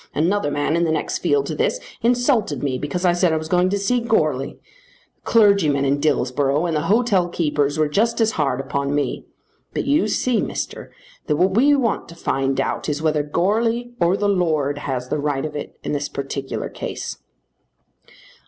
Another man in the next field to this insulted me because I said I was going to see Goarly. The clergyman in Dillsborough and the hotelkeepers were just as hard upon me. But you see, Mister, that what we want to find out is whether Goarly or the Lord has the right of it in this particular case."